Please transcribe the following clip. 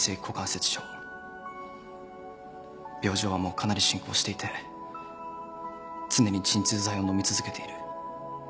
病状はもうかなり進行していて常に鎮痛剤を飲み続けている。